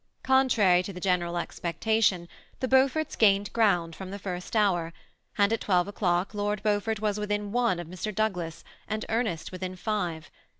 Contrary to the general expectation, the Beauforts gained ground from the first hour, and at twelve o'clock Lord Beaufort was within one of Mr. Douglas, and Ernest within five.